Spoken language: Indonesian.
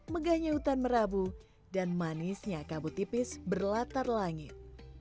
megahnya hutan merabu dan manisnya kabut tipis berlatar langit